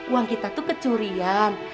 uang kita tuh kecurian